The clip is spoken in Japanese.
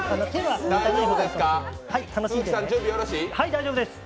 大丈夫ですか？